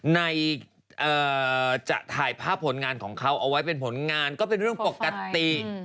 จะถ่ายภาพผลงานของเขาเอาไว้เป็นผลงานก็เป็นเรื่องปกติ